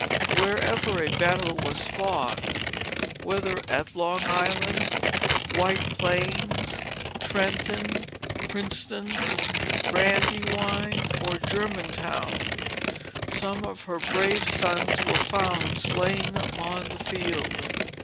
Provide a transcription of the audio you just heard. Wherever a battle was fought—whether at Long Island, White Plains, Trenton, Princeton, Brandywine, or German town—some of her brave sons were found slain upon the field.